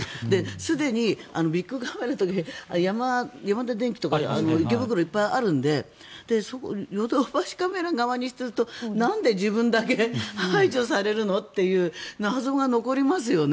すでにビックカメラとかヤマダ電機とか池袋はいっぱいあるのでヨドバシカメラ側にするとなんで自分だけ排除されるのっていう謎が残りますよね。